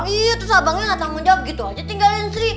iya terus abangnya nggak tanggung jawab gitu aja tinggalin sri